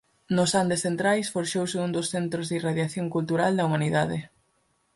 Nos Andes centrais forxouse un dos centros de irradiación cultural da humanidade.